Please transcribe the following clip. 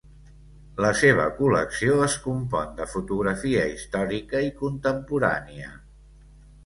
La seva col·lecció es compon de fotografia històrica i contemporània.